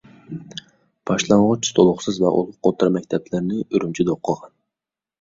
باشلانغۇچ، تولۇقسىز ۋە تولۇق ئوتتۇرا مەكتەپلەرنى ئۈرۈمچىدە ئوقۇغان.